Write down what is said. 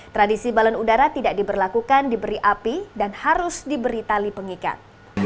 tradisi balon udara tidak diberlakukan diberi api dan harus diberi tali pengikat